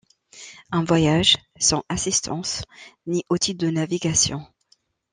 Un voyage sans assistance, ni outil de navigation.